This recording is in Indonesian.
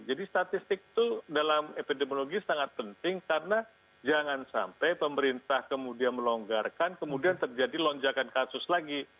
jadi statistik itu dalam epidemiologi sangat penting karena jangan sampai pemerintah kemudian melonggarkan kemudian terjadi lonjakan kasus lagi